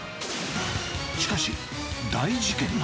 しかし、大事件が。